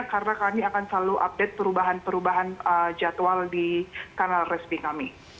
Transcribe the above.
karena kami akan selalu update perubahan perubahan jadwal di kanal respi kami